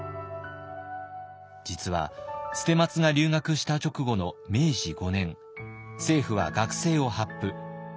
実は捨松が留学した直後の明治５年政府は学制を発布。